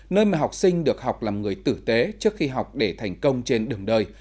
nơi mà học sinh được học làm người tử tế trước khi học để thành công trên đường đời